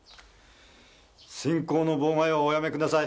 進行の妨害はおやめください。